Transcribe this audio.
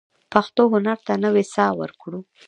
پښتو هنر ته نوې ساه ورکړو.